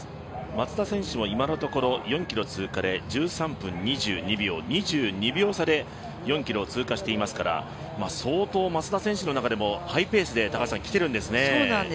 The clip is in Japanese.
松田選手も今のところ４ｋｍ通過で１３分２２秒２２秒差で４ｋｍを通過していますから相当、松田選手の中でもハイペースで来ているんですね。